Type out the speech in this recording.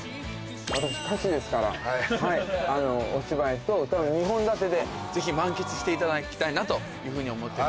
私歌手ですからお芝居と歌を２本立てでぜひ満喫していただきたいなというふうに思ってます。